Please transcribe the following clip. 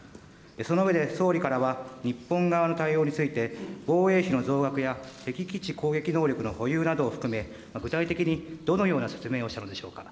その上で、総理からは、日本側の対応について、防衛費の増額や、敵基地攻撃能力の保有などを含め、具体的にどのような説明をしたのでしょうか。